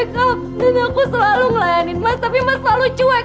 tidak ada apa apa lagi